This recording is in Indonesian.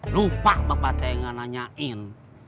lupa bapak teh nganyain